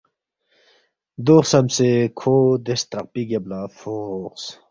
“ دو خسمسے کھو دے سترقپی گیب لہ فوقس